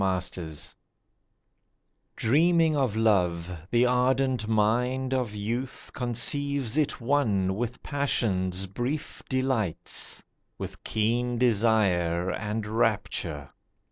LOVE DREAMING of love, the ardent mind of youth Conceives it one with passion's brief delights, With keen desire and rapture.